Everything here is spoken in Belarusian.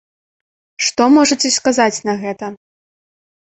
Што можаце сказаць на гэта?